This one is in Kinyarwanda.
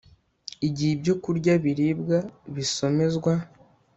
Igihe ibyokurya biribwa bisomezwa